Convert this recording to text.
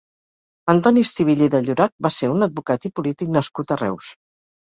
Antoni Estivill i de Llorach va ser un advocat i polític nascut a Reus.